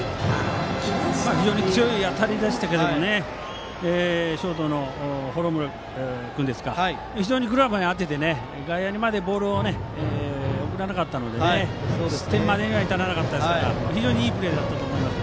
非常に強い当たりでしたけどショートの幌村君がグラブに当てて外野までボールを送らなかったので失点までには至らなかったですが非常にいいプレーだったと思います。